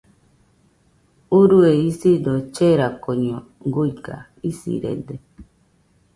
Urue isido cherakoño guiga , isirede.